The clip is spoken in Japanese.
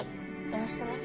よろしくね。